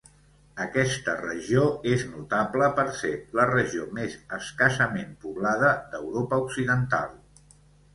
Aquesta regió és notable per ser la regió més escassament poblada d'Europa Occidental.